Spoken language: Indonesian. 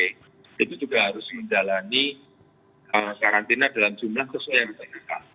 itu juga harus menjalani karantina dalam jumlah sesuai yang ditentukan